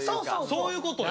そういうことよ。